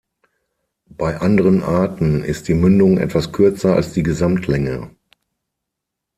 Bei anderen Arten ist die Mündung etwas kürzer als die Gesamtlänge.